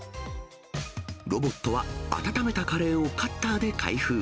ロボットは温めたカレーをカッターで開封。